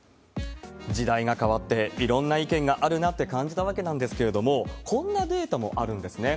時代が変わって、いろんな意見があるなって感じたわけなんですけれども、こんなデータもあるんですね。